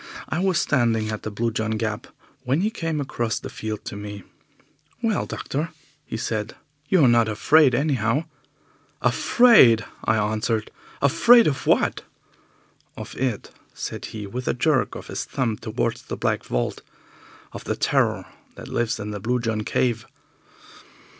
I was standing at the Blue John Gap when he came across the field to me. "Well, doctor," said he, "you're not afraid, anyhow." "Afraid!" I answered. "Afraid of what?" "Of it," said he, with a jerk of his thumb towards the black vault, "of the Terror that lives in the Blue John Cave."